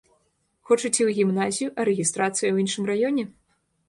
Хочаце ў гімназію, а рэгістрацыя ў іншым раёне?